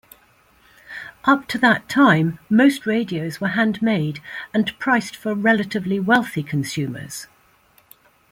Up to that time most radios were handmade and priced for relatively wealthy consumers.